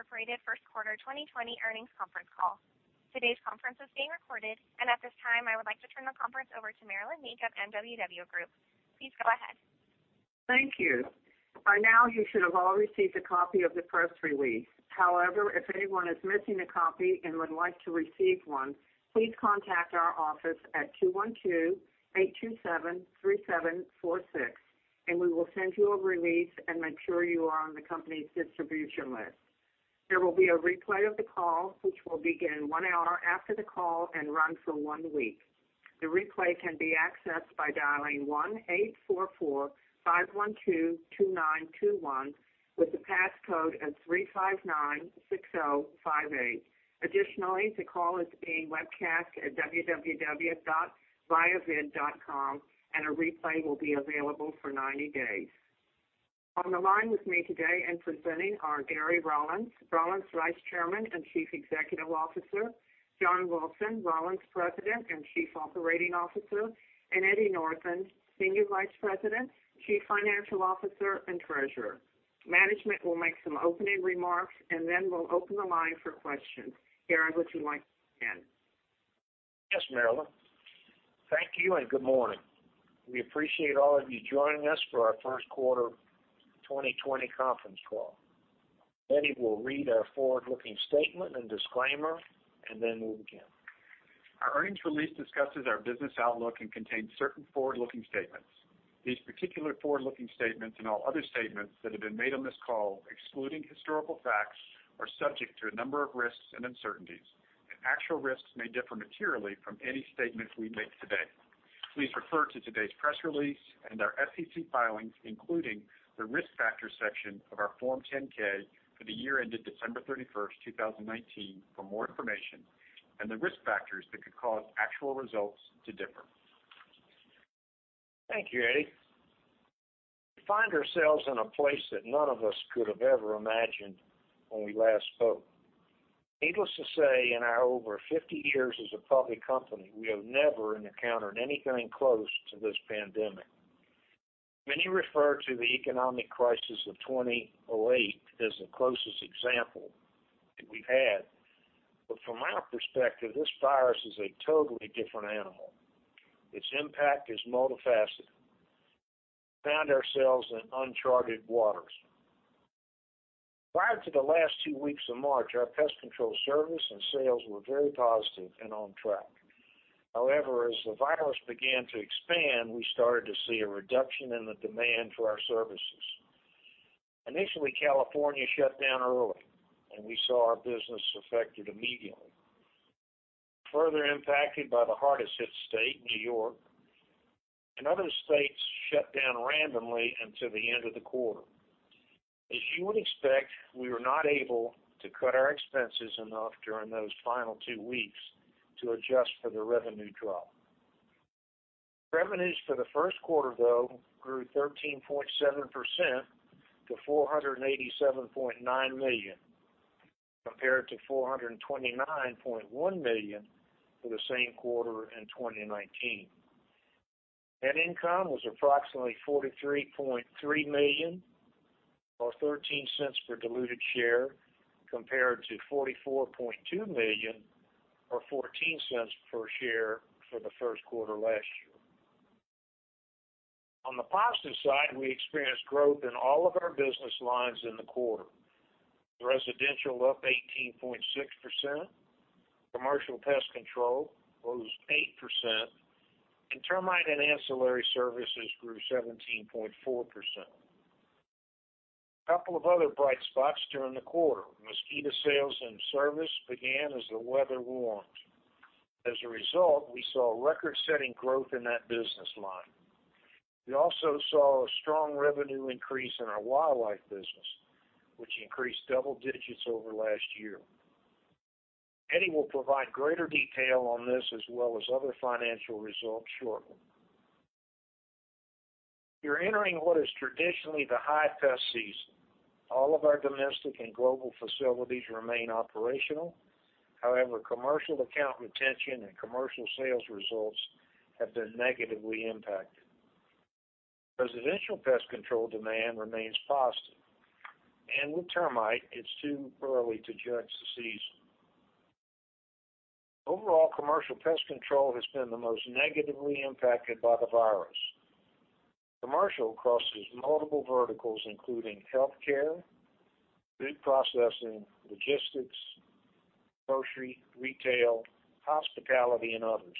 Good day. Welcome to the Rollins, Inc first quarter 2020 earnings conference call. Today's conference is being recorded, and at this time, I would like to turn the conference over to Marilynn Meek of MWW Group. Please go ahead. Thank you. By now, you should have all received a copy of the press release. However, if anyone is missing a copy and would like to receive one, please contact our office at 212-827-3746, and we will send you a release and make sure you are on the company's distribution list. There will be a replay of the call, which will begin one hour after the call and run for one week. The replay can be accessed by dialing 1-844-512-2921 with the passcode at 3596058. Additionally, the call is being webcast at www.viavid.com, and a replay will be available for 90 days. On the line with me today and presenting are Gary Rollins' Vice Chairman and Chief Executive Officer, John Wilson, Rollins' President and Chief Operating Officer, and Eddie Northen, Senior Vice President, Chief Financial Officer, and Treasurer. Management will make some opening remarks, and then we'll open the line for questions. Gary, would you like to begin? Yes, Marilynn. Thank you. Good morning. We appreciate all of you joining us for our first quarter 2020 conference call. Eddie will read our forward-looking statement and disclaimer. We'll begin. Our earnings release discusses our business outlook and contains certain forward-looking statements. These particular forward-looking statements and all other statements that have been made on this call excluding historical facts are subject to a number of risks and uncertainties, and actual results may differ materially from any statement we make today. Please refer to today's press release and our SEC filings, including the Risk Factors section of our Form 10-K for the year ended December 31st, 2019, for more information on the risk factors that could cause actual results to differ. Thank you, Eddie. We find ourselves in a place that none of us could have ever imagined when we last spoke. Needless to say, in our over 50 years as a public company, we have never encountered anything close to this pandemic. Many refer to the economic crisis of 2008 as the closest example that we've had. From our perspective, this virus is a totally different animal. Its impact is multifaceted. We found ourselves in uncharted waters. Prior to the last two weeks of March, our pest control service and sales were very positive and on track. However, as the virus began to expand, we started to see a reduction in the demand for our services. Initially, California shut down early, and we saw our business affected immediately. Further impacted by the hardest hit state, New York, and other states shut down randomly until the end of the quarter. As you would expect, we were not able to cut our expenses enough during those final two weeks to adjust for the revenue drop. Revenues for the first quarter, though, grew 13.7% to $487.9 million, compared to $429.1 million for the same quarter in 2019. Net income was approximately $43.3 million, or $0.13 per diluted share, compared to $44.2 million or $0.14 per share for the first quarter last year. On the positive side, we experienced growth in all of our business lines in the quarter. Residential up 18.6%, commercial pest services grows 8%, and termite and ancillary services grew 17.4%. A couple of other bright spots during the quarter. Mosquito sales and service began as the weather warmed. As a result, we saw record-setting growth in that business line. We also saw a strong revenue increase in our wildlife business, which increased double digits over last year. Eddie will provide greater detail on this as well as other financial results shortly. We are entering what is traditionally the high pest season. All of our domestic and global facilities remain operational. However, commercial account retention and commercial sales results have been negatively impacted. Residential pest control demand remains positive, With termite, it's too early to judge the season. Overall, commercial pest control has been the most negatively impacted by the virus. Commercial crosses multiple verticals, including healthcare, food processing, logistics, grocery, retail, hospitality, and others.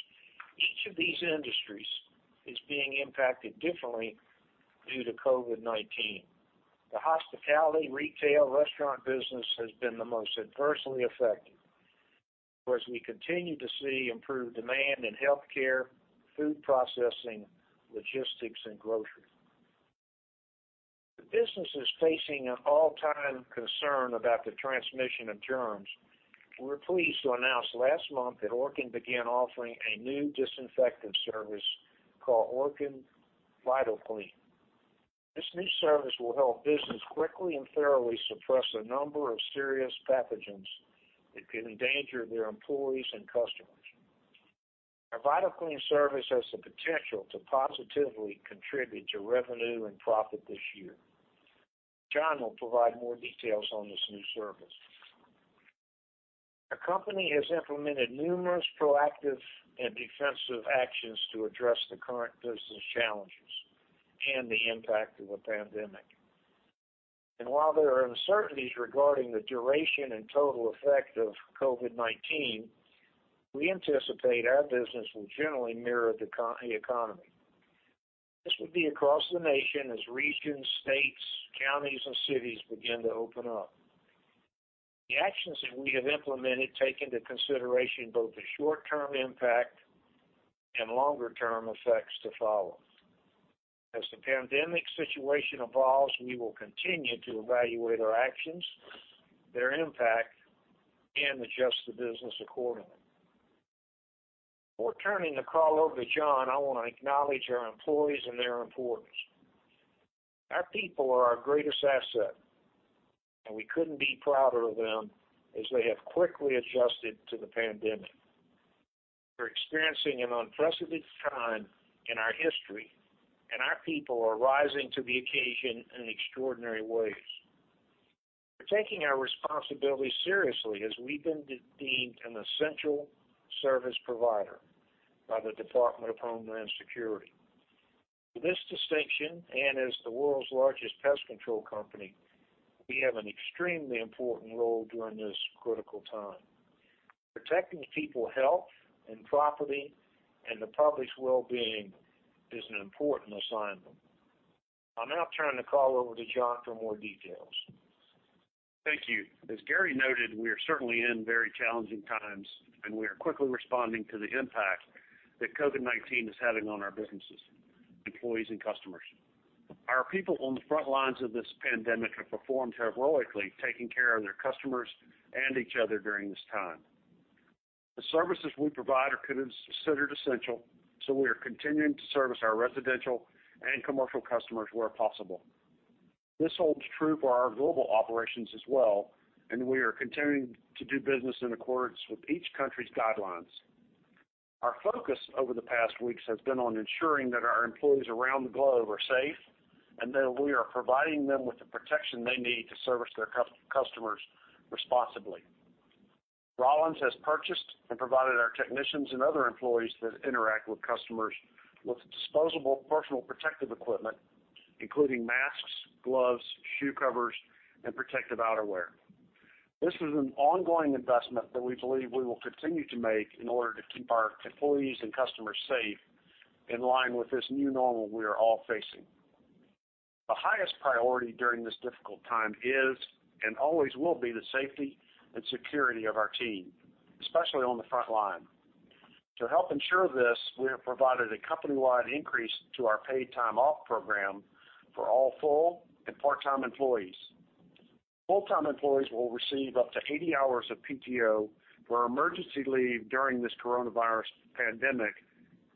Each of these industries is being impacted differently due to COVID-19. The hospitality, retail, restaurant business has been the most adversely affected. Of course, we continue to see improved demand in healthcare, food processing, logistics, and grocery. The business is facing an all-time concern about the transmission of germs. We're pleased to announce last month that Orkin began offering a new disinfectant service called Orkin VitalClean. This new service will help business quickly and thoroughly suppress a number of serious pathogens that could endanger their employees and customers. Our VitalClean service has the potential to positively contribute to revenue and profit this year. John will provide more details on this new service. Our company has implemented numerous proactive and defensive actions to address the current business challenges and the impact of the pandemic. While there are uncertainties regarding the duration and total effect of COVID-19, we anticipate our business will generally mirror the economy. This will be across the nation as regions, states, counties, and cities begin to open up. The actions that we have implemented take into consideration both the short-term impact and longer-term effects to follow. As the pandemic situation evolves, we will continue to evaluate our actions, their impact, and adjust the business accordingly. Before turning the call over to John, I want to acknowledge our employees and their importance. Our people are our greatest asset, and we couldn't be prouder of them as they have quickly adjusted to the pandemic. We're experiencing an unprecedented time in our history, and our people are rising to the occasion in extraordinary ways. We're taking our responsibility seriously as we've been deemed an essential service provider by the Department of Homeland Security. With this distinction, and as the world's largest pest control company, we have an extremely important role during this critical time. Protecting people health and property and the public's wellbeing is an important assignment. I'll now turn the call over to John for more details. Thank you. As Gary noted, we are certainly in very challenging times. We are quickly responding to the impact that COVID-19 is having on our businesses, employees, and customers. Our people on the front lines of this pandemic have performed heroically, taking care of their customers and each other during this time. The services we provide are considered essential. We are continuing to service our residential and commercial customers where possible. This holds true for our global operations as well. We are continuing to do business in accordance with each country's guidelines. Our focus over the past weeks has been on ensuring that our employees around the globe are safe. We are providing them with the protection they need to service their customers responsibly. Rollins has purchased and provided our technicians and other employees that interact with customers with disposable personal protective equipment, including masks, gloves, shoe covers, and protective outerwear. This is an ongoing investment that we believe we will continue to make in order to keep our employees and customers safe in line with this new normal we are all facing. The highest priority during this difficult time is and always will be the safety and security of our team, especially on the front line. To help ensure this, we have provided a company-wide increase to our paid time off program for all full- and part-time employees. Full-time employees will receive up to 80 hours of PTO for emergency leave during this coronavirus pandemic,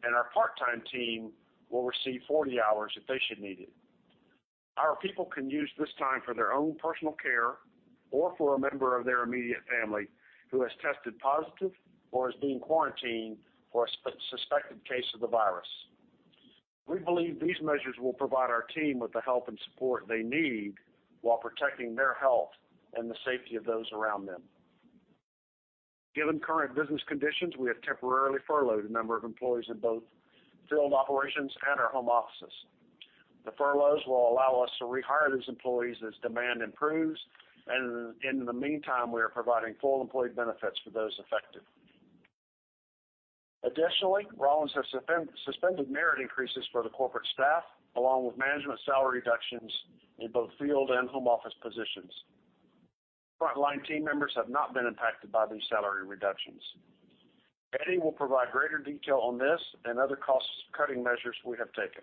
and our part-time team will receive 40 hours if they should need it. Our people can use this time for their own personal care or for a member of their immediate family who has tested positive or is being quarantined for a suspected case of the virus. We believe these measures will provide our team with the help and support they need while protecting their health and the safety of those around them. Given current business conditions, we have temporarily furloughed a number of employees in both field operations and our home offices. The furloughs will allow us to rehire these employees as demand improves, and in the meantime, we are providing full employee benefits for those affected. Additionally, Rollins has suspended merit increases for the corporate staff, along with management salary reductions in both field and home office positions. Frontline team members have not been impacted by these salary reductions. Eddie will provide greater detail on this and other cost-cutting measures we have taken.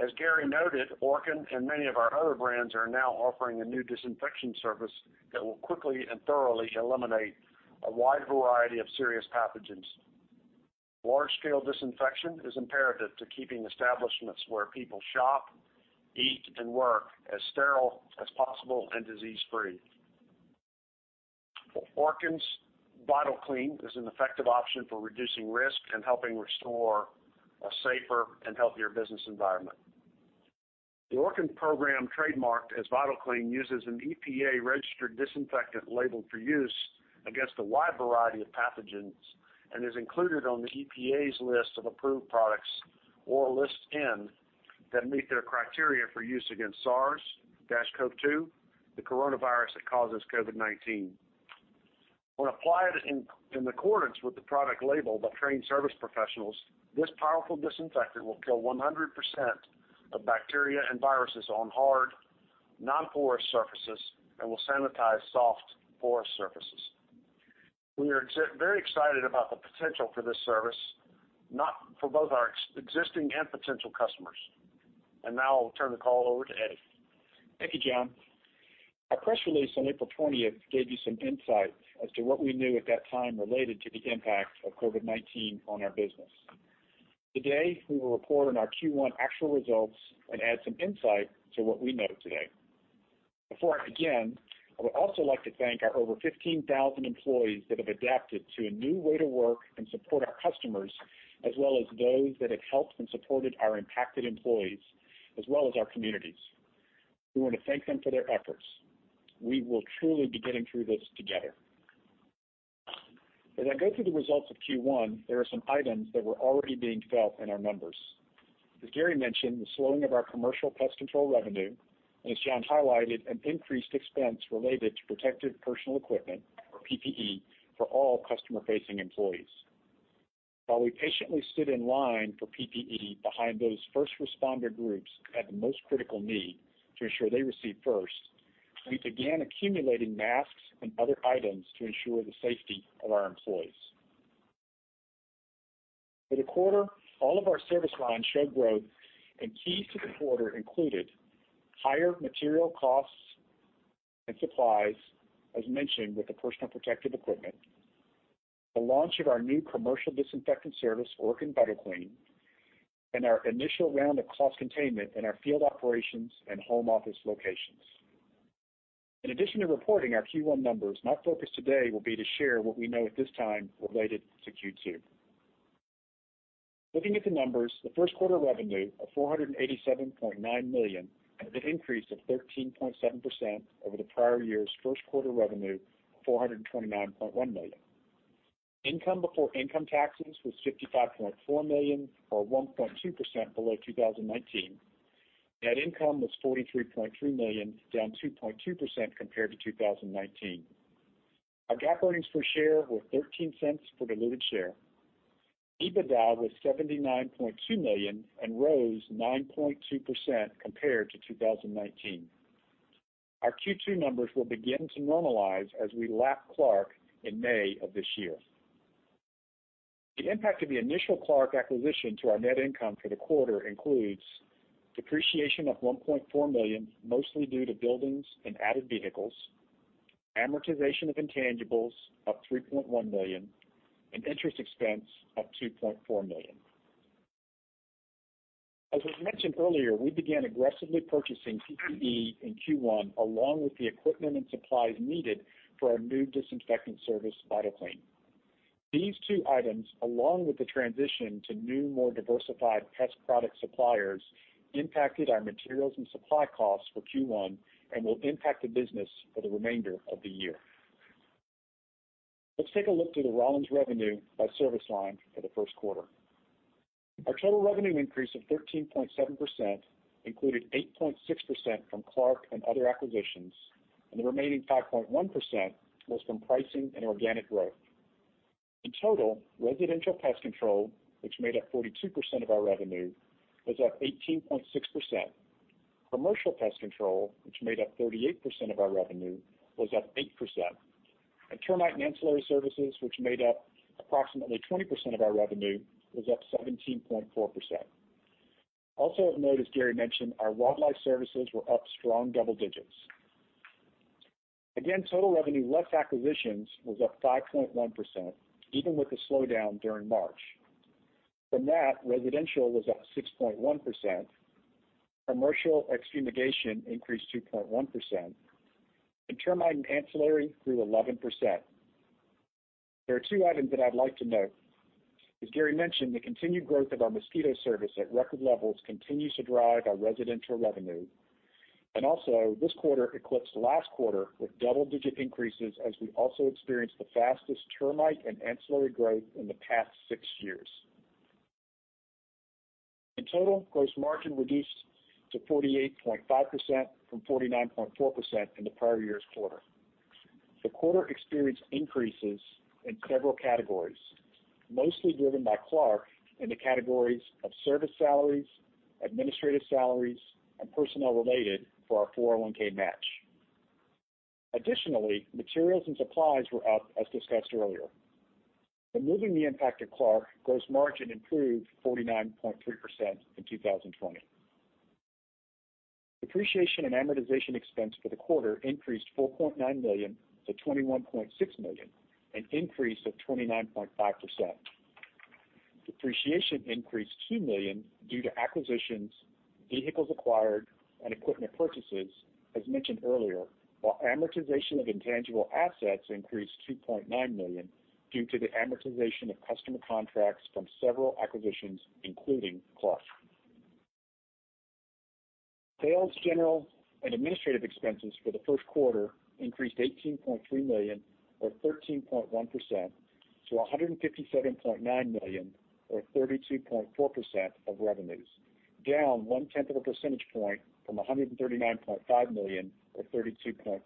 As Gary noted, Orkin and many of our other brands are now offering a new disinfection service that will quickly and thoroughly eliminate a wide variety of serious pathogens. Large-scale disinfection is imperative to keeping establishments where people shop, eat, and work as sterile as possible and disease-free. Orkin's VitalClean is an effective option for reducing risk and helping restore a safer and healthier business environment. The Orkin program, trademarked as VitalClean, uses an EPA-registered disinfectant labeled for use against a wide variety of pathogens and is included on the EPA's List N of approved products that meet their criteria for use against SARS-CoV-2, the coronavirus that causes COVID-19. When applied in accordance with the product label by trained service professionals, this powerful disinfectant will kill 100% of bacteria and viruses on hard, non-porous surfaces and will sanitize soft, porous surfaces. We are very excited about the potential for this service for both our existing and potential customers. Now I will turn the call over to Eddie. Thank you, John. Our press release on April 20th gave you some insight as to what we knew at that time related to the impact of COVID-19 on our business. Today, we will report on our Q1 actual results and add some insight to what we know today. Before I begin, I would also like to thank our over 15,000 employees that have adapted to a new way to work and support our customers, as well as those that have helped and supported our impacted employees, as well as our communities. We want to thank them for their efforts. We will truly be getting through this together. As I go through the results of Q1, there are some items that were already being felt in our numbers. As Gary mentioned, the slowing of our commercial pest control revenue, and as John highlighted, an increased expense related to protective personal equipment, or PPE, for all customer-facing employees. While we patiently stood in line for PPE behind those first responder groups that had the most critical need to ensure they received first, we began accumulating masks and other items to ensure the safety of our employees. For the quarter, all of our service lines showed growth, and keys to the quarter included higher material costs and supplies, as mentioned with the personal protective equipment, the launch of our new commercial disinfectant service, Orkin VitalClean, and our initial round of cost containment in our field operations and home office locations. In addition to reporting our Q1 numbers, my focus today will be to share what we know at this time related to Q2. Looking at the numbers, the first quarter revenue of $487.9 million had an increase of 13.7% over the prior year's first quarter revenue of $429.1 million. Income before income taxes was $55.4 million, or 1.2% below 2019. Net income was $43.3 million, down 2.2% compared to 2019. Our GAAP earnings per share were $0.13 per diluted share. EBITDA was $79.2 million and rose 9.2% compared to 2019. Our Q2 numbers will begin to normalize as we lap Clark in May of this year. The impact of the initial Clark acquisition to our net income for the quarter includes depreciation of $1.4 million, mostly due to buildings and added vehicles, amortization of intangibles up $3.1 million, and interest expense up $2.4 million. As was mentioned earlier, we began aggressively purchasing PPE in Q1, along with the equipment and supplies needed for our new disinfectant service, VitalClean. These two items, along with the transition to new, more diversified pest product suppliers, impacted our materials and supply costs for Q1 and will impact the business for the remainder of the year. Let's take a look through the Rollins revenue by service line for the first quarter. Our total revenue increase of 13.7% included 8.6% from Clark and other acquisitions, and the remaining 5.1% was from pricing and organic growth. In total, residential pest control, which made up 42% of our revenue, was up 18.6%. Commercial pest control, which made up 38% of our revenue, was up 8%, and termite and ancillary services, which made up approximately 20% of our revenue, was up 17.4%. Also of note, as Gary mentioned, our wildlife services were up strong double digits. Again, total revenue less acquisitions was up 5.1%, even with the slowdown during March. From that, residential was up 6.1%, commercial extermination increased 2.1%, termite and ancillary grew 11%. There are two items that I'd like to note. As Gary mentioned, the continued growth of our mosquito service at record levels continues to drive our residential revenue. Also, this quarter eclipsed last quarter with double-digit increases as we also experienced the fastest termite and ancillary growth in the past six years. In total, gross margin reduced to 48.5% from 49.4% in the prior year's quarter. The quarter experienced increases in several categories, mostly driven by Clark in the categories of service salaries, administrative salaries, and personnel-related for our 401(k) match. Additionally, materials and supplies were up, as discussed earlier. Removing the impact of Clark, gross margin improved 49.3% in 2020. Depreciation and amortization expense for the quarter increased $4.9 million-$21.6 million, an increase of 29.5%. Depreciation increased $2 million due to acquisitions, vehicles acquired, and equipment purchases, as mentioned earlier, while amortization of intangible assets increased $2.9 million due to the amortization of customer contracts from several acquisitions, including Clark. Sales, general, and administrative expenses for the first quarter increased $18.3 million, or 13.1%, to $157.9 million, or 32.4% of revenues, down one-tenth of a percentage point from $139.5 million, or 32.5%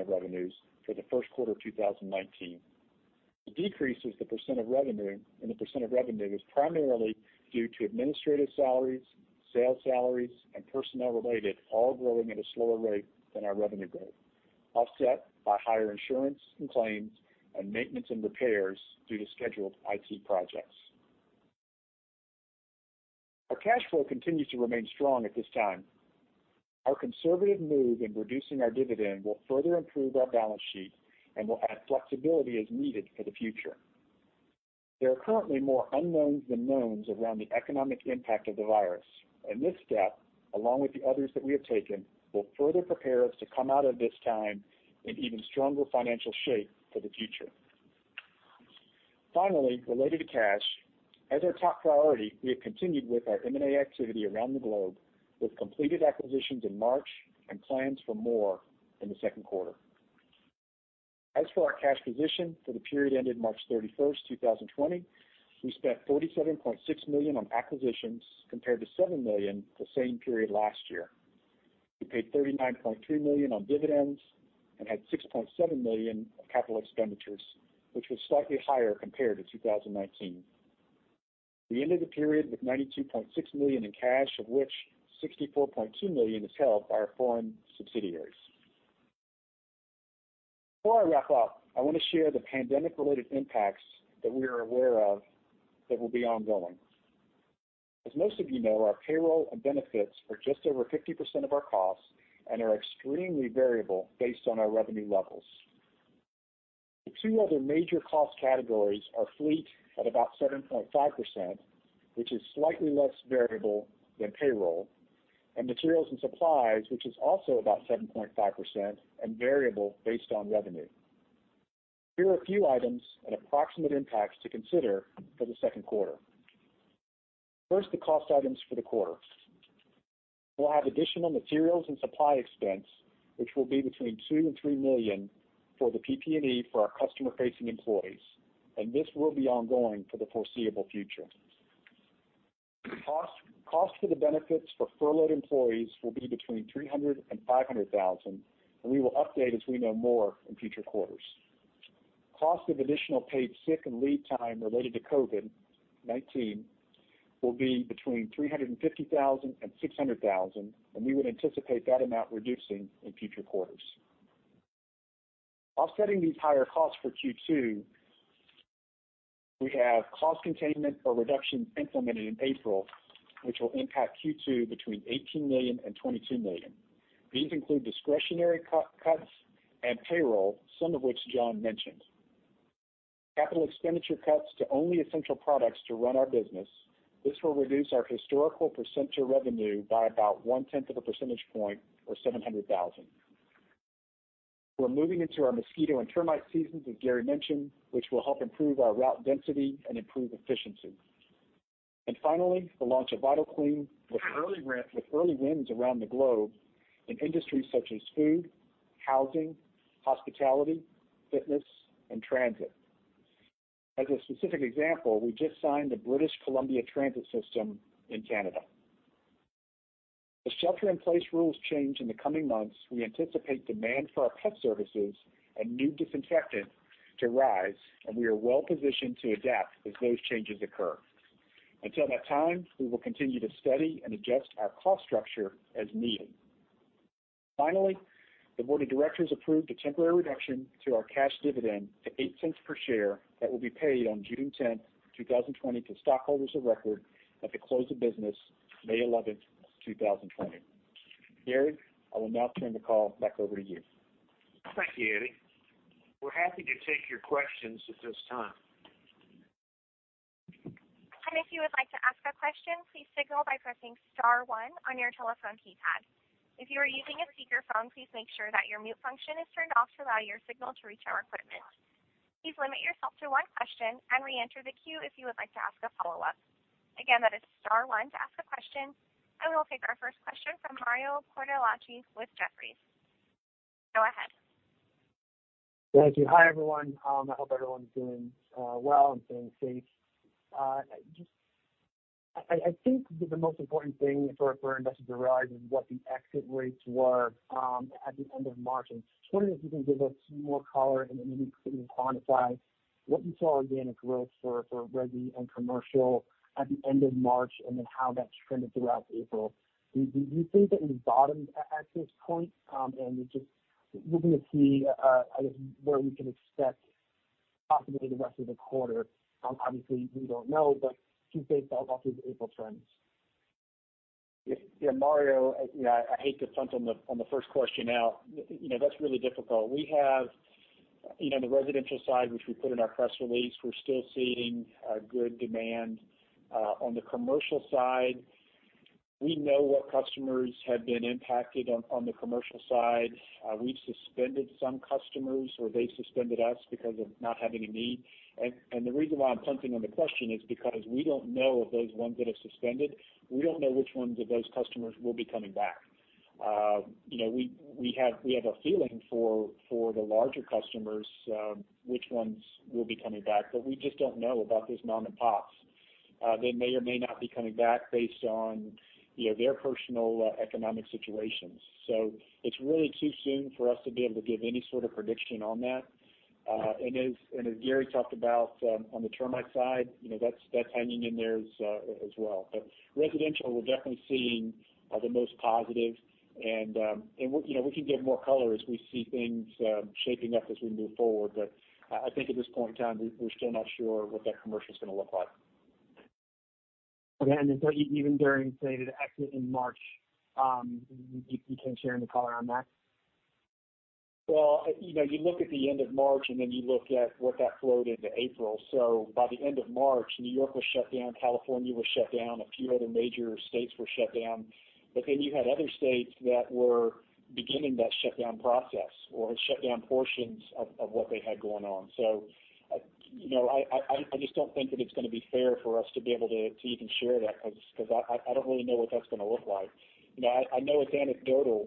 of revenues for the first quarter of 2019. The decrease in the % of revenue is primarily due to administrative salaries, sales salaries, and personnel-related all growing at a slower rate than our revenue growth, offset by higher insurance and claims and maintenance and repairs due to scheduled IT projects. Our cash flow continues to remain strong at this time. Our conservative move in reducing our dividend will further improve our balance sheet and will add flexibility as needed for the future. There are currently more unknowns than knowns around the economic impact of the virus, this step, along with the others that we have taken, will further prepare us to come out of this time in even stronger financial shape for the future. Finally, related to cash, as our top priority, we have continued with our M&A activity around the globe with completed acquisitions in March and plans for more in the second quarter. As for our cash position for the period ending March 31st, 2020, we spent $47.6 million on acquisitions compared to $7 million the same period last year. We paid $39.3 million on dividends and had $6.7 million of capital expenditures, which was slightly higher compared to 2019. We ended the period with $92.6 million in cash, of which $64.2 million is held by our foreign subsidiaries. Before I wrap up, I want to share the pandemic-related impacts that we are aware of that will be ongoing. As most of you know, our payroll and benefits are just over 50% of our costs and are extremely variable based on our revenue levels. The two other major cost categories are fleet at about 7.5%, which is slightly less variable than payroll, and materials and supplies, which is also about 7.5% and variable based on revenue. Here are a few items and approximate impacts to consider for the second quarter. First, the cost items for the quarter. We'll have additional materials and supply expense, which will be between $2 million and $3 million for the PPE for our customer-facing employees. This will be ongoing for the foreseeable future. Cost for the benefits for furloughed employees will be between $300,000 and $500,000. We will update as we know more in future quarters. Cost of additional paid sick and leave time related to COVID-19 will be between $350,000 and $600,000. We would anticipate that amount reducing in future quarters. Offsetting these higher costs for Q2, we have cost containment or reduction implemented in April, which will impact Q2 between $18 million and $22 million. These include discretionary cuts and payroll, some of which John mentioned. Capital expenditure cuts to only essential products to run our business. This will reduce our historical percent to revenue by about one tenth of a percentage point or $700,000. We're moving into our mosquito and termite seasons, as Gary mentioned, which will help improve our route density and improve efficiency. Finally, the launch of VitalClean with early wins around the globe in industries such as food, housing, hospitality, fitness, and transit. As a specific example, we just signed the British Columbia Transit system in Canada. As shelter-in-place rules change in the coming months, we anticipate demand for our pest services and new disinfectant to rise, and we are well positioned to adapt as those changes occur. Until that time, we will continue to study and adjust our cost structure as needed. Finally, the board of directors approved a temporary reduction to our cash dividend to $0.08 per share that will be paid on June 10th, 2020 to stockholders of record at the close of business May 11th, 2020. Gary, I will now turn the call back over to you. Thank you, Eddie. We're happy to take your questions at this time. If you would like to ask a question, please signal by pressing star one on your telephone keypad. If you are using a speakerphone, please make sure that your mute function is turned off to allow your signal to reach our equipment. Please limit yourself to one question and reenter the queue if you would like to ask a follow-up. Again, that is star one to ask a question. We will take our first question from Mario Cortellacci with Jefferies. Go ahead. Thank you. Hi, everyone. I hope everyone's doing well and staying safe. I think the most important thing for investors to realize is what the exit rates were at the end of March, and just wondering if you can give us more color and maybe quantify what you saw organic growth for resi and commercial at the end of March and then how that's trended throughout April. Do you think that we've bottomed at this point? Just looking to see, I guess, where we can expect possibly the rest of the quarter. Obviously, we don't know, but can you base that off of April trends? Yeah, Mario, I hate to punt on the first question out. That's really difficult. We have the residential side, which we put in our press release. We're still seeing good demand. On the commercial side, we know what customers have been impacted on the commercial side. We've suspended some customers, or they suspended us because of not having a need. The reason why I'm punting on the question is because we don't know if those ones that have suspended, we don't know which ones of those customers will be coming back. We have a feeling for the larger customers, which ones will be coming back, but we just don't know about those mom and pops. They may or may not be coming back based on their personal economic situations. It's really too soon for us to be able to give any sort of prediction on that. As Gary talked about on the termite side, that's hanging in there as well. Residential, we're definitely seeing the most positive, and we can give more color as we see things shaping up as we move forward. I think at this point in time, we're still not sure what that commercial is going to look like. Okay. Even during, say, the exit in March, you can share any color on that? Well, you look at the end of March, and then you look at what that flowed into April. By the end of March, New York was shut down, California was shut down, a few other major states were shut down. You had other states that were beginning that shutdown process or had shut down portions of what they had going on. I just don't think that it's going to be fair for us to be able to even share that, because I don't really know what that's going to look like. I know it's anecdotal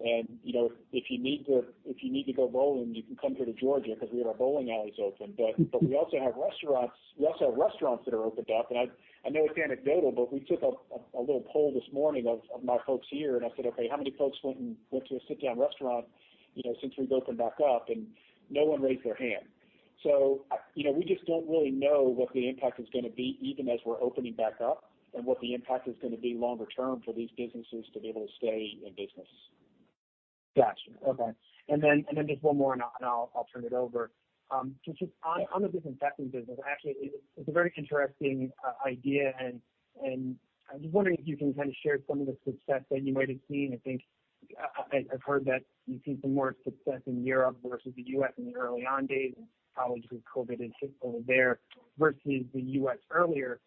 and if you need to go bowling, you can come here to Georgia because we have our bowling alleys open. We also have restaurants that are opened up, and I know it's anecdotal, but we took a little poll this morning of my folks here, and I said, "Okay, how many folks went to a sit-down restaurant since we've opened back up?" No one raised their hand. We just don't really know what the impact is going to be, even as we're opening back up and what the impact is going to be longer term for these businesses to be able to stay in business. Got you. Okay. Then just one more and I'll turn it over. Just on the disinfection business, actually, it's a very interesting idea, and I was wondering if you can kind of share some of the success that you might have seen. I think I've heard that you've seen some more success in Europe versus the U.S. in the early on days, probably because COVID-19 hit over there versus the U.S. earlier.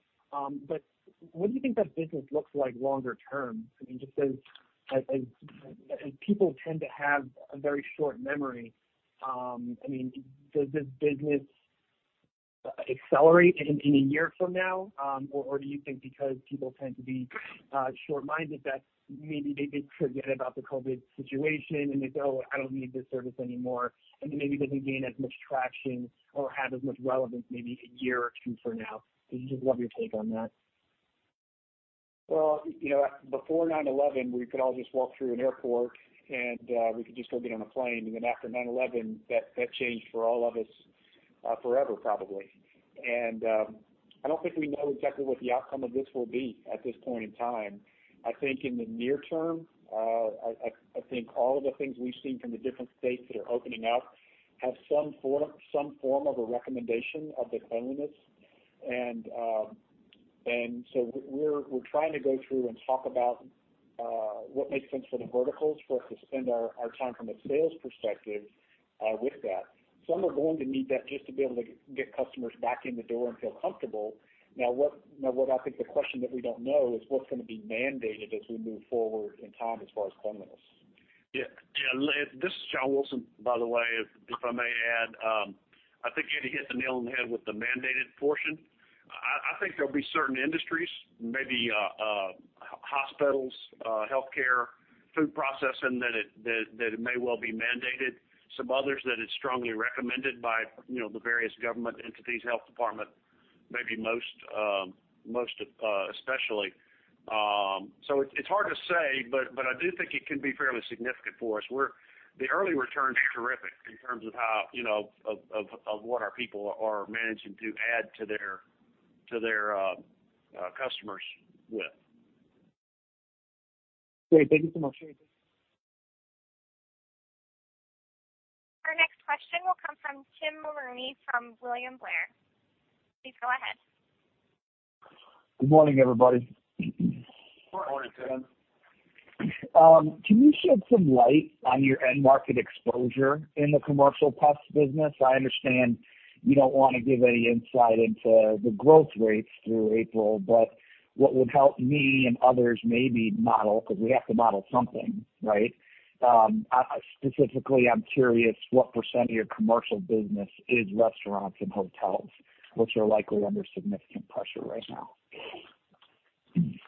What do you think that business looks like longer term? I mean, just as people tend to have a very short memory, does this business accelerate in a year from now? Do you think because people tend to be short-minded, that maybe they forget about the COVID situation, and they go, "I don't need this service anymore"? It maybe doesn't gain as much traction or have as much relevance, maybe a year or two from now. I'd just love your take on that. Before 9/11, we could all just walk through an airport, and we could just go get on a plane. After 9/11, that changed for all of us forever, probably. I don't think we know exactly what the outcome of this will be at this point in time. I think in the near term, I think all of the things we've seen from the different states that are opening up have some form of a recommendation of the cleanliness. We're trying to go through and talk about what makes sense for the verticals for us to spend our time from a sales perspective with that. Some are going to need that just to be able to get customers back in the door and feel comfortable. Now, what I think the question that we don't know is what's going to be mandated as we move forward in time as far as cleanliness. Yeah. This is John Wilson, by the way, if I may add. I think Eddie hit the nail on the head with the mandated portion. I think there'll be certain industries, maybe hospitals, healthcare, food processing, that it may well be mandated. Some others that it's strongly recommended by the various government entities, health department, maybe most especially. It's hard to say, but I do think it can be fairly significant for us. The early returns are terrific in terms of what our people are managing to add to their customers with. Great. Thank you so much. Our next question will come from Tim Mulrooney from William Blair. Please go ahead. Good morning, everybody. Good morning, Tim. Can you shed some light on your end market exposure in the commercial pest services? I understand you don't want to give any insight into the growth rates through April, but what would help me and others maybe model, because we have to model something, right? Specifically, I'm curious what percent of your commercial business is restaurants and hotels, which are likely under significant pressure right now.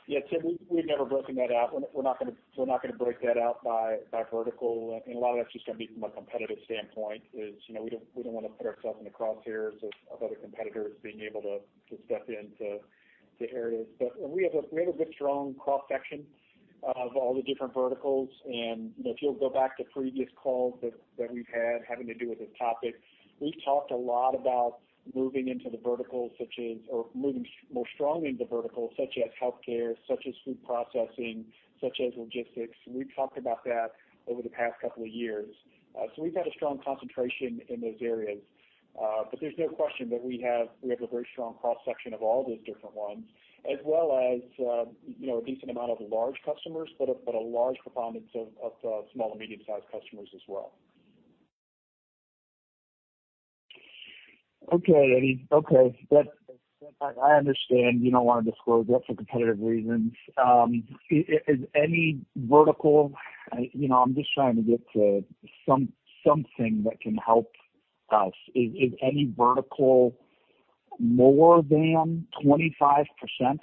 Yeah, Tim, we've never broken that out. We're not going to break that out by vertical. A lot of that's just going to be from a competitive standpoint is we don't want to put ourselves in the crosshairs of other competitors being able to step into areas. We have a good, strong cross-section of all the different verticals. If you'll go back to previous calls that we've had having to do with this topic, we've talked a lot about moving into the verticals such as, or moving more strongly into verticals such as healthcare, such as food processing, such as logistics. We've talked about that over the past couple of years. We've got a strong concentration in those areas. There's no question that we have a very strong cross-section of all those different ones, as well as a decent amount of large customers, but a large preponderance of small- and medium-sized customers as well. Okay. I understand you don't want to disclose that for competitive reasons. Is any vertical-- I'm just trying to get to something that can help us. Is any vertical more than 25%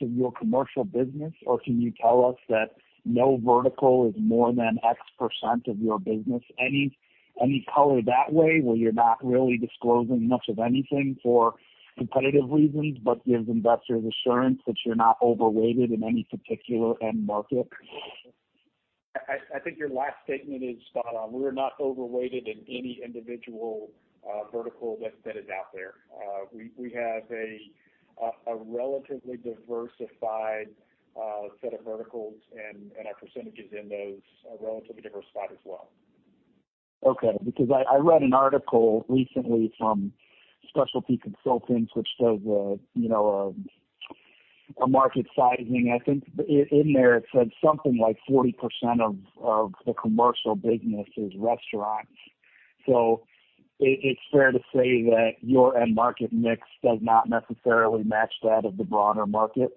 of your commercial business, or can you tell us that no vertical is more than X% of your business? Any color that way, where you're not really disclosing much of anything for competitive reasons, but gives investors assurance that you're not overweighted in any particular end market? I think your last statement is spot on. We're not overweighted in any individual vertical that is out there. We have a relatively diversified set of verticals, and our percentages in those are relatively diversified as well. Okay. I read an article recently from Specialty Consultants which does a market sizing. I think in there it said something like 40% of the commercial business is restaurants. It's fair to say that your end market mix does not necessarily match that of the broader market?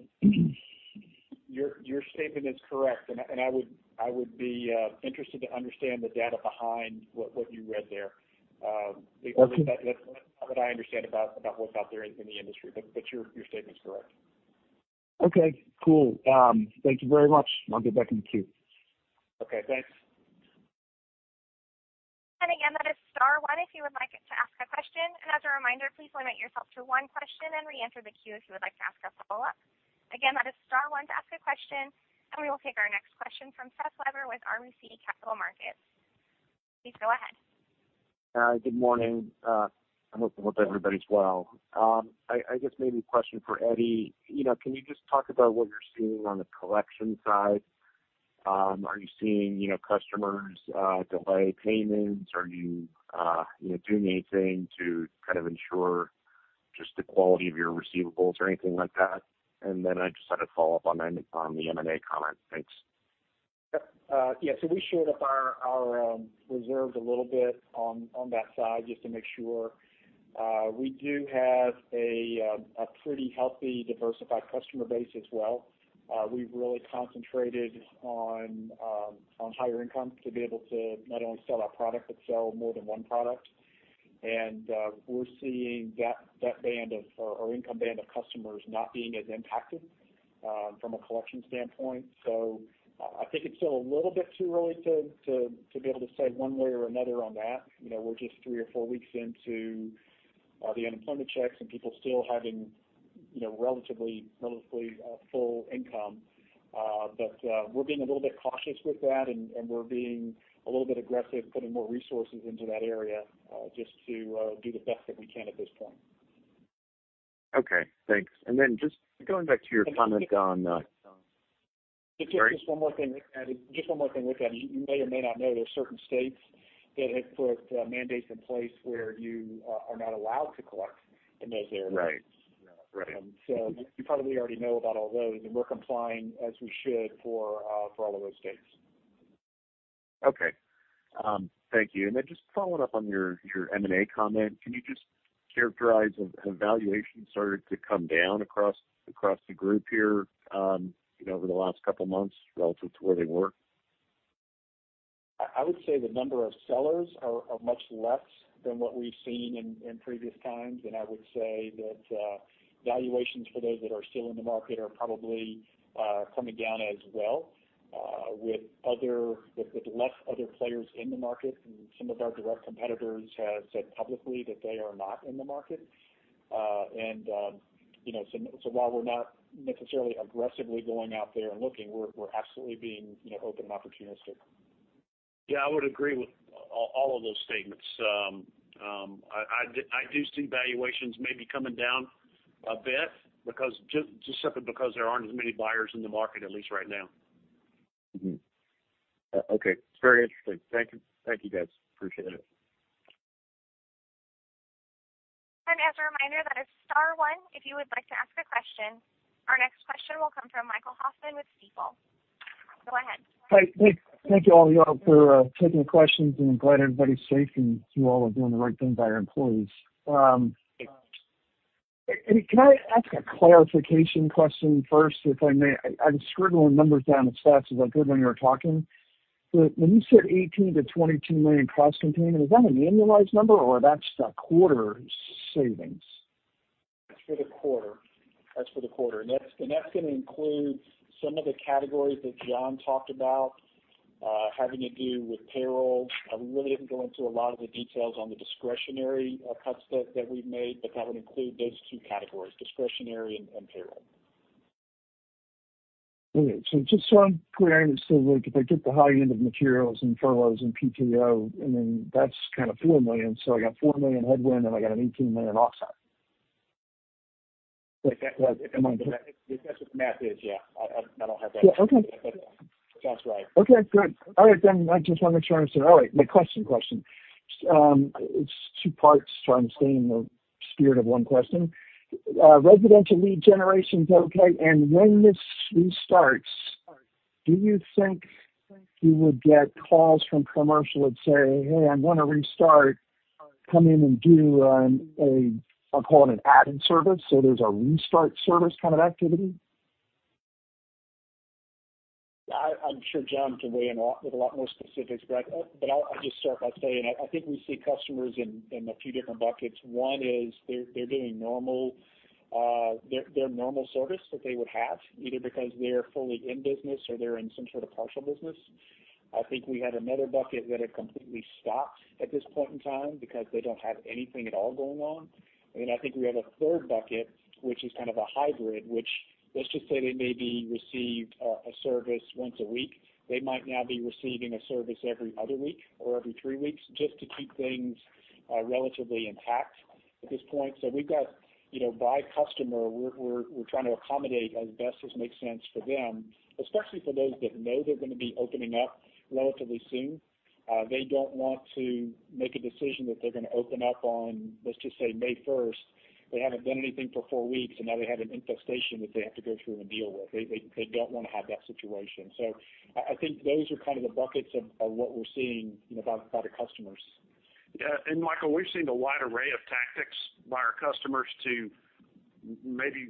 Your statement is correct, and I would be interested to understand the data behind what you read there. Okay. That's not what I understand about what's out there in the industry. Your statement's correct. Okay, cool. Thank you very much. I'll get back in the queue. Okay, thanks. Again, that is star one if you would like to ask a question. As a reminder, please limit yourself to one question and reenter the queue if you would like to ask a follow-up. Again, that is star one to ask a question, and we will take our next question from Seth Weber with RBC Capital Markets. Please go ahead. Hi. Good morning. I'm hoping everybody's well. I guess maybe a question for Eddie. Can you just talk about what you're seeing on the collection side? Are you seeing customers delay payments? Are you doing anything to kind of ensure just the quality of your receivables or anything like that? I just had a follow-up on the M&A comment. Thanks. Yeah, we shored up our reserves a little bit on that side just to make sure. We do have a pretty healthy, diversified customer base as well. We've really concentrated on higher income to be able to not only sell our product, but sell more than one product. We're seeing that income band of customers not being as impacted from a collection standpoint. I think it's still a little bit too early to be able to say one way or another on that. We're just three or four weeks into the unemployment checks and people still having relatively full income. We're being a little bit cautious with that, and we're being a little bit aggressive putting more resources into that area, just to do the best that we can at this point. Okay, thanks. Just going back to your comment. Just one more thing, Eddie. You may or may not know, there are certain states that have put mandates in place where you are not allowed to collect in those areas. Right. You probably already know about all those, and we're complying as we should for all of those states. Okay. Thank you. Just following up on your M&A comment, can you just characterize, have valuations started to come down across the group here over the last couple of months relative to where they were? I would say the number of sellers are much less than what we've seen in previous times. I would say that valuations for those that are still in the market are probably coming down as well, with less other players in the market. Some of our direct competitors have said publicly that they are not in the market. While we're not necessarily aggressively going out there and looking, we're absolutely being open and opportunistic. I would agree with all of those statements. I do see valuations maybe coming down a bit, just simply because there aren't as many buyers in the market, at least right now. Okay. Very interesting. Thank you guys. Appreciate it. As a reminder, that is star one if you would like to ask a question. Our next question will come from Michael Hoffman with Stifel. Go ahead. Hi. Thank you all for taking the questions, and I'm glad everybody's safe and you all are doing the right thing by your employees. Eddie, can I ask a clarification question first, if I may? I'm scribbling numbers down as fast as I could when you were talking. When you said $18 million-$22 million cost containment, is that an annualized number or that's just a quarter savings? That's for the quarter. That's going to include some of the categories that John talked about, having to do with payroll. We really didn't go into a lot of the details on the discretionary cuts that we've made, that would include those two categories, discretionary and payroll. Okay. Just so I'm clear, if I took the high end of materials and furloughs and PTO, and then that's kind of $4 million. I got $4 million headwind, and I got an $18 million offset? Am I good? If that's what the math is, yeah. Yeah. Okay. Sounds right. Okay, good. I just want to make sure I understand. The question. It's two parts, I'm staying in the spirit of one question. Residential lead generation's okay, when this restarts, do you think you would get calls from commercial that say, "Hey, I want to restart. Come in and do an," I'll call it an add-in service? There's a restart service kind of activity? I'm sure John can weigh in with a lot more specifics, but I'll just start by saying I think we see customers in a few different buckets. One is they're doing their normal service that they would have, either because they're fully in business or they're in some sort of partial business. I think we have another bucket that have completely stopped at this point in time because they don't have anything at all going on. Then I think we have a third bucket, which is kind of a hybrid, which let's just say they maybe received a service once a week. They might now be receiving a service every other week or every three weeks just to keep things relatively intact. At this point, we've got by customer, we're trying to accommodate as best as makes sense for them, especially for those that know they're going to be opening up relatively soon. They don't want to make a decision that they're going to open up on, let's just say May 1st. They haven't done anything for four weeks, now they have an infestation that they have to go through and deal with. They don't want to have that situation. I think those are the buckets of what we're seeing by the customers. Yeah. Michael, we've seen a wide array of tactics by our customers to maybe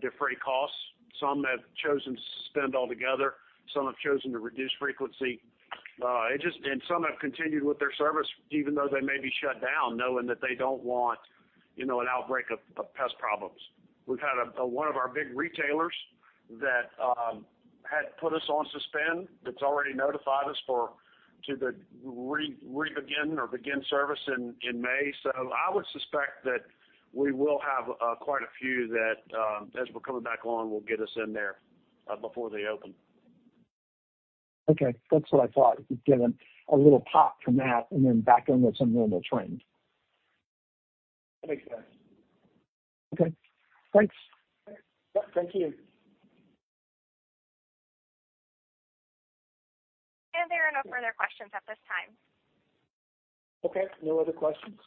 defray costs. Some have chosen to suspend altogether, some have chosen to reduce frequency. Some have continued with their service even though they may be shut down, knowing that they don't want an outbreak of pest problems. We've had one of our big retailers that had put us on suspend that's already notified us to begin service in May. I would suspect that we will have quite a few that, as we're coming back on, will get us in there before they open. Okay. That's what I thought. Get a little pop from that and then back into some normal trend. Makes sense. Okay. Thanks. Thank you. There are no further questions at this time. Okay. No other questions?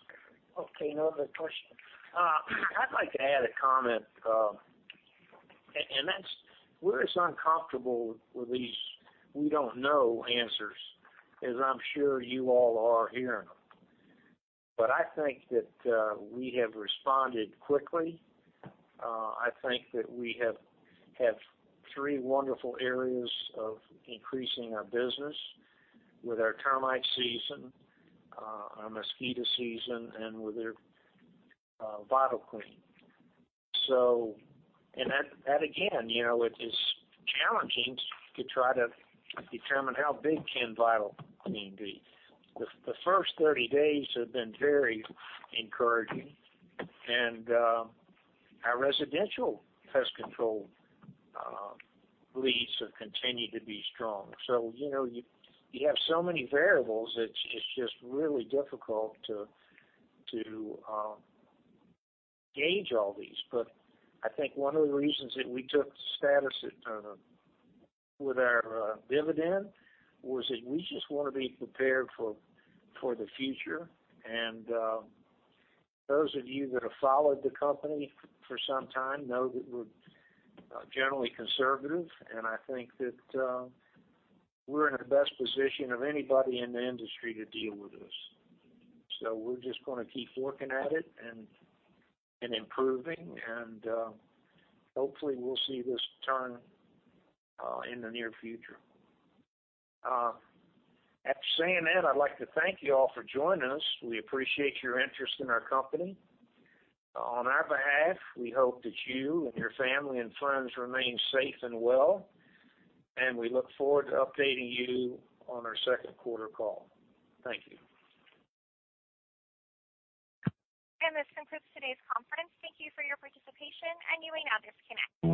Okay. No other questions. I'd like to add a comment, and that's where it's uncomfortable with these we don't know answers, as I'm sure you all are hearing them. I think that we have responded quickly. I think that we have three wonderful areas of increasing our business with our termite season, our mosquito season, and with our VitalClean. That again, it is challenging to try to determine how big can VitalClean be. The first 30 days have been very encouraging, and our residential pest control leads have continued to be strong. You have so many variables, it's just really difficult to gauge all these. I think one of the reasons that we took status with our dividend was that we just want to be prepared for the future. Those of you that have followed the company for some time know that we're generally conservative, and I think that we're in the best position of anybody in the industry to deal with this. We're just going to keep looking at it and improving, and hopefully we'll see this turn in the near future. After saying that, I'd like to thank you all for joining us. We appreciate your interest in our company. On our behalf, we hope that you and your family and friends remain safe and well, and we look forward to updating you on our second quarter call. Thank you. This concludes today's conference. Thank you for your participation. You may now disconnect.